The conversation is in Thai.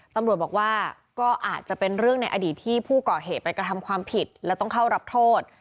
ตำรวจบอกว่าก็อาจจะเป็นเรื่องในอดีตที่ผู้ก่อเหตุไปกระทำความผิดและต้องเข้ารับโทษ